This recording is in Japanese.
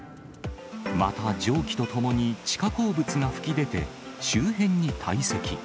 また蒸気とともに地下鉱物が噴き出て、周辺に堆積。